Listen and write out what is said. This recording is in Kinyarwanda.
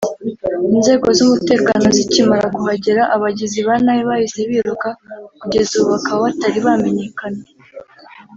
Inzego z’umutekano zicyimara kuhagera abagizi ba nabi bahise biruka kugeza ubu bakaba batari bamenyekana